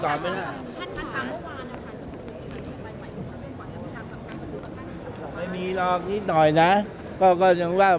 ท่านทางเมื่อวานนะครับท่านทางเมื่อก่อนท่านทางเมื่อก่อนท่านทางเมื่อก่อน